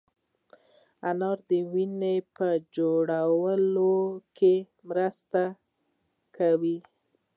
انار د وینې په جوړولو کې مرسته کوي.